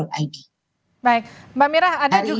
baik mbak mira ada juga